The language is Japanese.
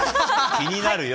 気になるよ。